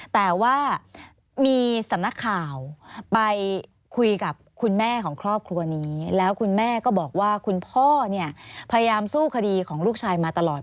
แต่ว่ามีสำนักข่าวไปคุยกับคุณแม่ของครอบครัวนี้แล้วคุณแม่ก็บอกว่าคุณพ่อเนี่ยพยายามสู้คดีของลูกชายมาตลอด